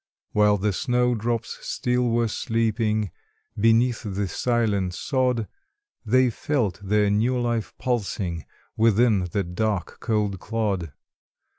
While the snow drops still were sleeping Beneath the silent sod; They felt their new life pulsing Within the dark, cold clod.